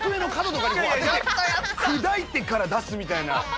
砕いてから出すみたいな。